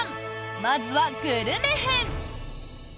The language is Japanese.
まずはグルメ編。